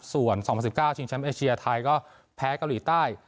ส่วนสองพันสิบเก้าชิงเช็มเอเชียไทยก็แพ้เกาหลีใต้